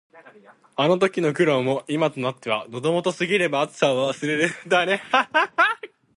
あの時の苦労も、今となっては「喉元過ぎれば熱さを忘れる」だね。